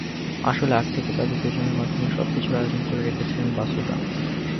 আসলে আগে থেকেই তাঁদের দুজনের মাধ্যমে সবকিছুর আয়োজন করে রেখেছিলেন বাসুদা।